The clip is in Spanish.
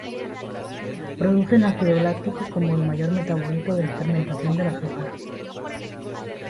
Producen ácido láctico como el mayor metabolito de la fermentación del azúcar.